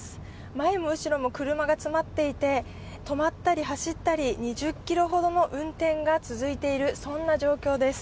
前も後ろも車が詰まっていて止まったり走ったり、２０キロほどの運転が続いている、そんな状況です。